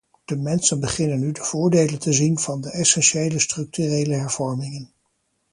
De mensen beginnen nu de voordelen te zien van de essentiële structurele hervormingen.